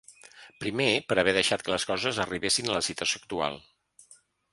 Primer, per haver deixat que les coses arribessin a la situació actual.